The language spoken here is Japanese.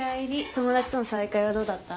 友達との再会はどうだった？